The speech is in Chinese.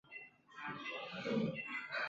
大苞滨藜为藜科滨藜属下的一个变种。